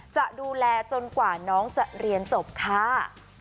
จะดูแลจนกว่าน้องจะเรียนจบค่ะ